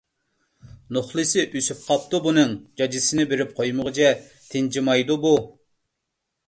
— نوخلىسى ئۆسۈپ قاپتۇ بۇنىڭ، جاجىسىنى بېرىپ قويمىغۇچە تىنچىمايدۇ بۇ!